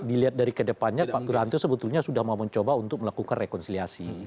dilihat dari kedepannya pak wiranto sebetulnya sudah mau mencoba untuk melakukan rekonsiliasi